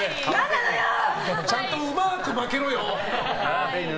ちゃんとうまく負けろよ！